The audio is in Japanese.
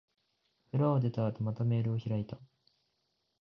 風呂を出た後、またメールを開いた。